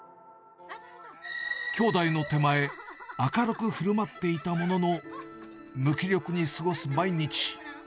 きょうだいの手前、明るく振る舞っていたものの、無気力に過ごす毎日。